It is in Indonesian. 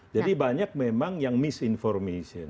jadi banyak memang yang misinformation